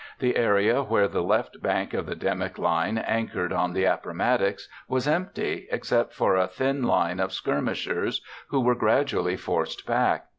The area where the left flank of the Dimmock Line anchored on the Appomattox was empty, except for a thin line of skirmishers who were gradually forced back.